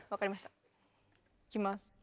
いきます。